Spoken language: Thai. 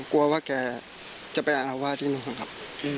กลัวว่าแกจะไปอารวาสที่นู่นครับ